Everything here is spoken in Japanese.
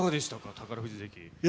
宝富士関。